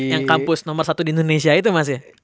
yang kampus nomor satu di indonesia itu mas ya